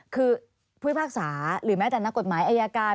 คือพฤษภาษาหรือแม้แต่นักกฎหมายอัยการ